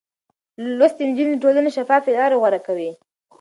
لوستې نجونې د ټولنې شفافې لارې غوره کوي.